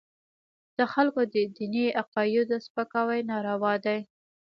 د خلکو د دیني عقایدو سپکاوي ناروا دی.